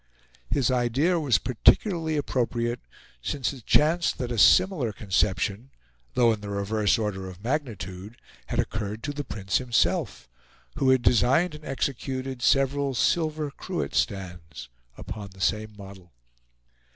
His idea was particularly appropriate since it chanced that a similar conception, though in the reverse order of magnitude, had occurred to the Prince himself, who had designed and executed several silver cruet stands upon the same model.